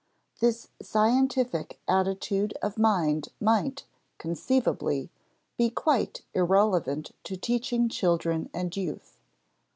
This scientific attitude of mind might, conceivably, be quite irrelevant to teaching children and youth.